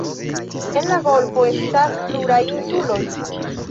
En la golfo estas pluraj insuloj.